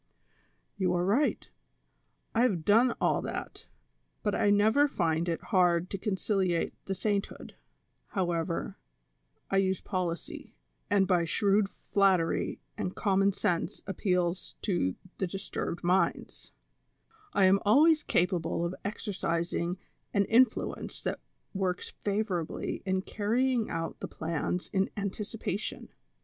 '' You are right, I liave done all that, but I never find it hard to conciliate the sainthood ; however, I use policy, and by shrewd flattery and common sense appeals to the disturbed minds, I am always capable of exercising an in fluence that works favorably in carrying out the plans in anticipation.